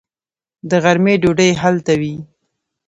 د غرمې ډوډۍ یې هلته وي.